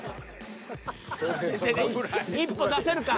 １歩出せるか？